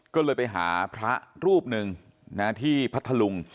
ก็เลยไปหาพระรูปหนึ่งที่พัทธลุง